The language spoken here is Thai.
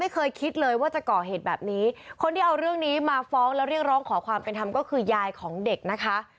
ก็คือยายของเด็กนะคะ